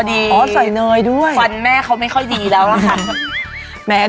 ลงใส่เลยพอดีควันแม่เค้าไม่ค่อยดีแล้วนะคะอ๋อใส่เนยด้วย